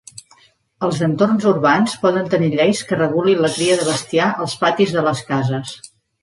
Els entorns urbans poden tenir lleis que regulin la cria de bestiar als patis de les cases.